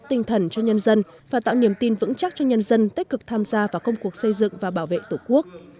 tinh thần cho nhân dân và tạo niềm tin vững chắc cho nhân dân tích cực tham gia vào công cuộc xây dựng và bảo vệ tổ quốc